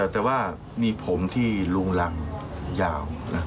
แต่ว่ามีผมที่ลุงรังยาว